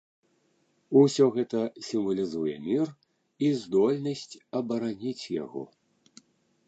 Усё гэта сімвалізуе мір і здольнасць абараніць яго.